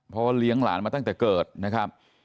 เพราะว่าเลี้ยงหลานมาตั้งแต่เกิดนะครับ